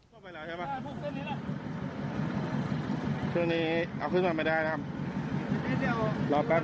เฮ้ยแปลงกว่าแรง